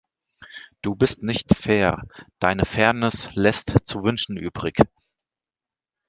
Du bist nicht fair, deine Fairness lässt zu wünschen übrig.